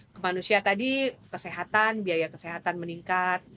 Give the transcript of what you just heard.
ke manusia tadi kesehatan biaya kesehatan meningkat